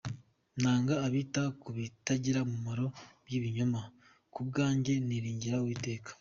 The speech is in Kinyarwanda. Nanga abita ku bitagira umumaro by’ibinyoma, Ku bwanjye niringira Uwiteka.